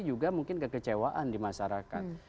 juga mungkin kekecewaan di masyarakat